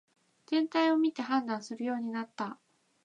全体を見て判断するようになった